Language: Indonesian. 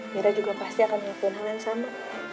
mira juga pasti akan melakukan hal yang sama